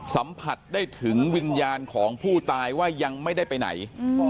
สัมผัสได้ถึงวิญญาณของผู้ตายว่ายังไม่ได้ไปไหน